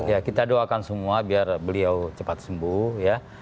ya kita doakan semua biar beliau cepat sembuh ya